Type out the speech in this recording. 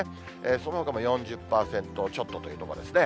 そのほかも４０％ちょっとというところですね。